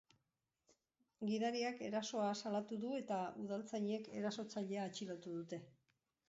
Gidariak erasoa salatu du, eta udaltzainek erasotzailea atxilotu dute.